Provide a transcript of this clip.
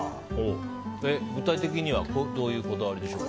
具体的にはどういうこだわりですか？